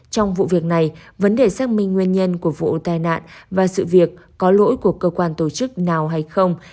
trong vụ việc này vấn đề xác minh nguyên nhân của vụ tai nạn và sự việc có lỗi của cơ quan tổ chức nào hay không